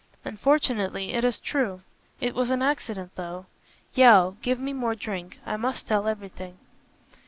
"Unfortunately it is true. It was an accident, though. Yeo, give me more drink; I must tell everything."